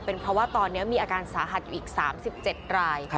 เพราะว่าตอนนี้มีอาการสาหัสอยู่อีก๓๗ราย